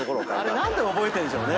何で覚えてんでしょうね